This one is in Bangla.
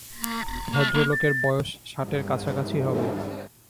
ভদ্রলোকের বয়স ষাটের কাছাকাছি হবে।